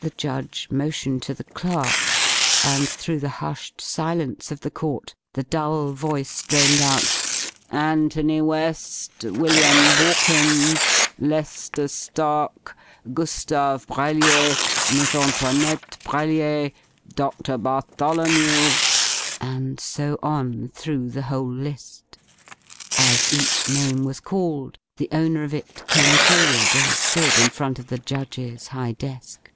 The judge motioned to the clerk, and through the hushed silence of the court the dull voice droned out: "Anthony West, William Borkins, Lester Stark, Gustave Brellier, Miss Antoinette Brellier, Doctor Bartholomew...." And so on through the whole list. As each name was called the owner of it came forward and stood in front of the judge's high desk.